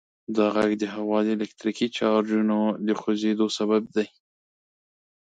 دا غږ د هوا د الکتریکي چارجونو د خوځیدو سبب دی.